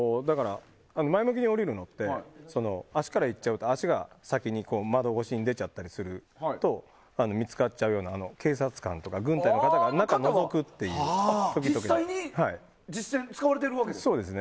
前向きに下りるのって足から行っちゃうと足が先に窓越しに出ちゃうと見つかっちゃうような警察官とか軍隊の方が実際に使われているわけですね。